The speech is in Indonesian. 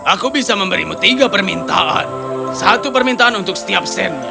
aku bisa memberimu tiga permintaan satu permintaan untuk setiap sen